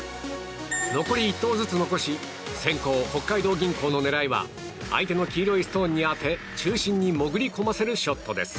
残り１投ずつ残し先攻、北海道銀行の狙いは相手の黄色いストーンに当て中心に潜り込ませるショットです。